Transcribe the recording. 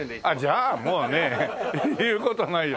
じゃあもうね言う事ないよ。